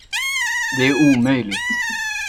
Det är omöjligt.